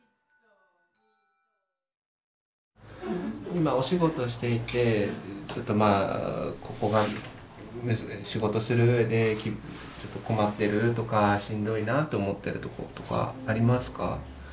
今お仕事していてちょっとまあここが仕事する上で困ってるとかしんどいなと思ってるとことかありますか？